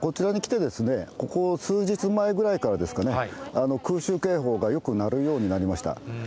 こちらに来て、ここ数日前ぐらいからですかね、空襲警報がよく鳴るようになりました。